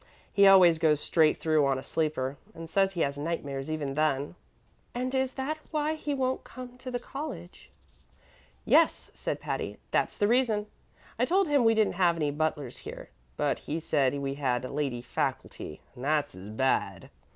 He always goes straight through on a sleeper, and says he has nightmares even then." "And is that why he won't come to the college?" "Yes," said Patty; "that's the reason. I told him we didn't have any butlers here; but he said we had lady faculty, and that's as bad."